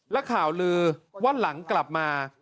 และข่าวลือว่าหลังกลับมา